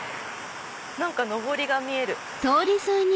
何かのぼりが見える。